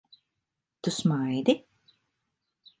Tu smaidi?